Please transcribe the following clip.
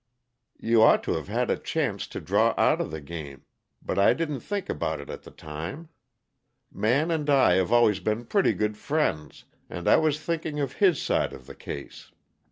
You ought to've had a chance to draw outa the game, but I didn't think about it at the time. Man and I have always been pretty good friends, and I was thinking of his side of the case.